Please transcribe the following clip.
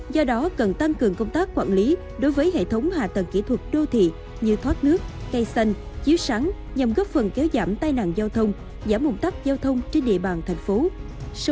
do đó cần tăng cường công tác quản lý đối với hệ thống hạ tầng kỹ thuật đô thị như thoát nước cây xanh chiếu sáng nhằm góp phần kéo giảm tai nạn giao thông giảm ủng tắc giao thông trên địa bàn thành phố